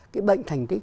cái bệnh thành tích